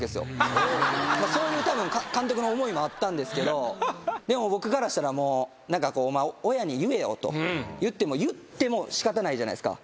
そういうたぶん監督の思いもあったんですけどでも僕からしたら「お前親に言えよ」と。言っても仕方ないじゃないですか。